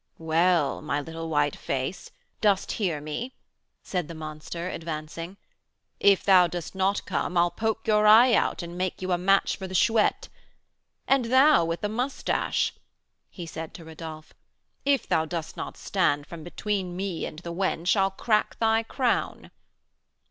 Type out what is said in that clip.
"Well, my little white face, dost hear me?" said the monster, advancing. "If thou dost not come, I'll poke your eye out, and make you a match for the Chouette. And thou with the moustache," he said to Rodolph, "if thou dost not stand from between me and the wench, I'll crack thy crown."